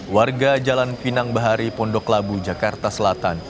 warga jalan pinang bahari pondok labu jakarta selatan